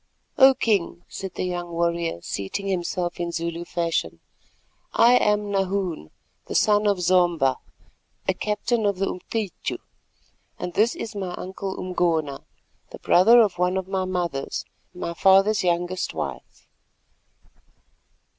"O King," said the young warrior, seating himself Zulu fashion, "I am Nahoon, the son of Zomba, a captain of the Umcityu, and this is my uncle Umgona, the brother of one of my mothers, my father's youngest wife."